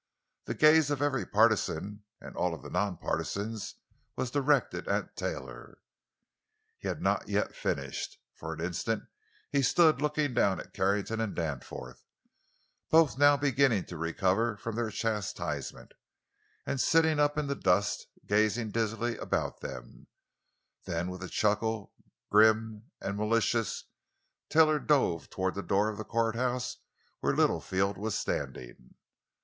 The gaze of every partisan—and of all the non partisans—was directed at Taylor. He had not yet finished. For an instant he stood looking down at Carrington and Danforth—both now beginning to recover from their chastisement, and sitting up in the dust gazing dizzily about them—then with a chuckle, grim and malicious, Taylor dove toward the door of the courthouse, where Littlefield was standing.